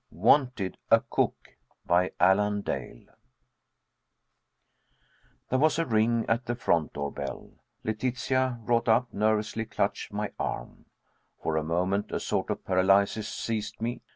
WANTED A COOK BY ALAN DALE There was a ring at the front door bell. Letitia, wrought up, nervously clutched my arm. For a moment a sort of paralysis seized me.